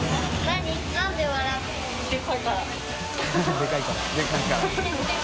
「でかいから」